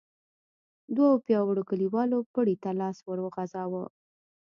دوو پياوړو کليوالو پړي ته لاس ور وغځاوه.